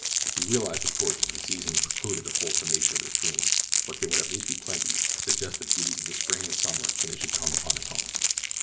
He realized, of course, that the season precluded a full consummation of his dream, but there would at least be plenty to suggest the beauties of the Spring and Summer when they should come upon his home.